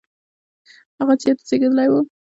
هغه چیرته زیږېدلی و؟